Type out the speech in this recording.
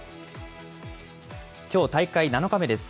きょう大会７日目です。